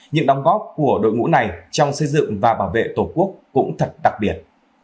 những đóng góp của đội ngũ này trong xây dựng và bảo vệ tổ quốc cũng thật đặc biệt